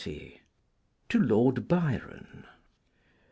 XX. To Lord Byron.